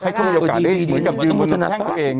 ให้เขามีโอกาสได้อยู่ดีกับยืนบนลำแข้งตัวเอง